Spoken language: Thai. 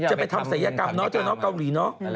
จะไปทำสายยากราฟเนอะเจ้าหน้ากาวนิเนอะ